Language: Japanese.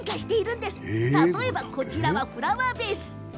例えば、こちらはフラワーベース。